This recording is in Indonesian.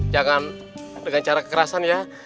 jangan dengan cara kekerasan ya